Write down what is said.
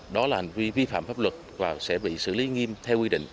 đó là hành vi vi phạm pháp luật